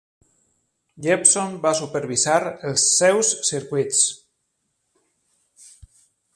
Jeppson va supervisar els seus circuits.